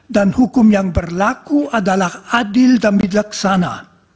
dan hukum yang berlaku adalah adil dan berlaksana